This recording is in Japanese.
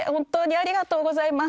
ありがとうございます。